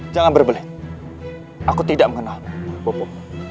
jangan berbelit aku tidak mengenal pupuk